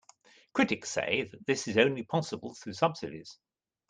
Critics say that this is only possible through subsidies.